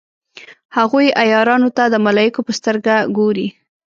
هغوی عیارانو ته د ملایکو په سترګه ګوري.